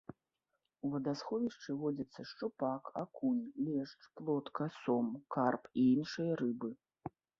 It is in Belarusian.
У вадасховішчы водзяцца шчупак, акунь, лешч, плотка, сом, карп і іншыя рыбы.